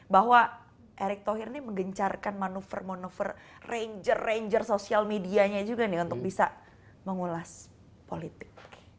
bahwa erick thohir ini menggencarkan manuver manuver ranger ranger sosial medianya juga nih untuk bisa mengulas politik